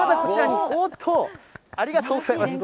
おっと、ありがとうございます。